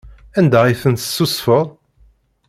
Anda ay ten-tessusfeḍ?